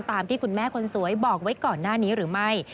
ตามที่คุณแม่คนสวยบอกไว้ก่อนหน้านี้หรือไม่